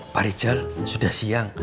pak rijal sudah siang